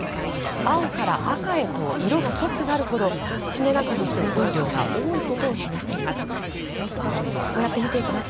青から赤へと色が濃くなるほど土の中の水分量が多いことを示しています。